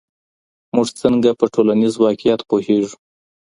موږ څنګه په ټولنيز واقعيت پوهېږو؟